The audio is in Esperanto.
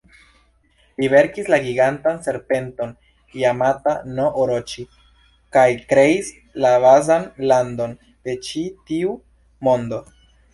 Li venkis la gigantan serpenton Jamata-no-Oroĉi kaj kreis la bazan landon de ĉi-tiu mondo.